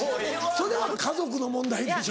それは家族の問題でしょ。